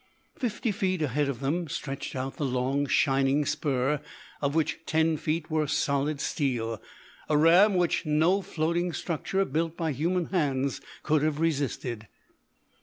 Fifty feet ahead of them stretched out the long, shining spur, of which ten feet were solid steel, a ram which no floating structure built by human hands could have resisted.